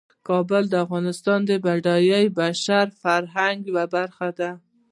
کابل د افغانستان د بډایه بشري فرهنګ یوه برخه ده.